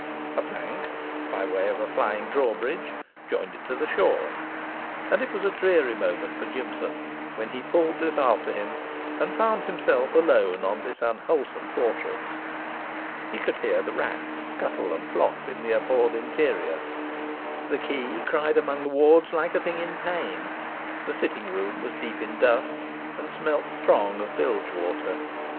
A plank, by way of flying drawbridge, joined it to the shore. And it was a dreary moment for Jimson when he pulled this after him and found himself alone on this unwholesome fortress. He could hear the rats scuttle and flop in the abhorred interior; the key cried among the wards like a thing in pain; the sitting room was deep in dust, and smelt strong of bilge water.